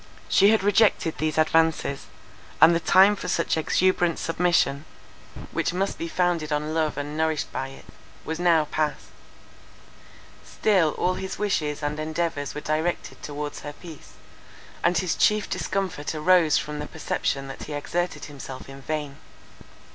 She had rejected these advances; and the time for such exuberant submission, which must be founded on love and nourished by it, was now passed. Still all his wishes and endeavours were directed towards her peace, and his chief discomfort arose from the perception that he exerted himself in vain.